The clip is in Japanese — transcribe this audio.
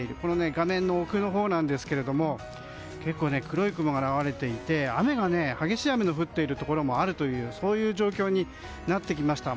画面の奥のほうなんですが結構黒い雲が流れていて激しい雨の降っているところもあるという状況になってきました。